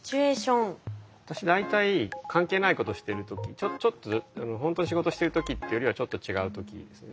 私大体関係ないことしてる時ちょっとほんとに仕事してる時ってよりはちょっと違う時ですね。